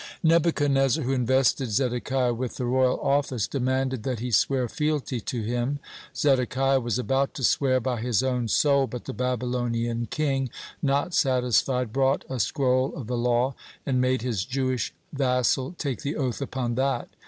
Nebuchadnezzar, who invested Zedekiah with the royal office, demanded that he swear fealty to him. Zedekiah was about to swear by his own soul, but the Babylonian king, not satisfied, brought a scroll of the law, and made his Jewish vassal take the oath upon that.